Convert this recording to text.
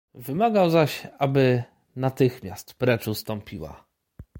"Wymagał zaś, aby natychmiast precz ustąpiła."